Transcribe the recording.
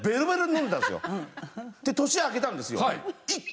で年明けたんですよ。